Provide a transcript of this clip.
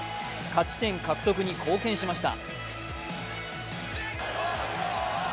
勝ち点獲得に貢献しました。